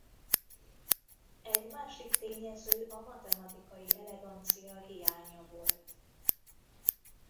Egy másik tényező a matematikai elegancia hiánya volt.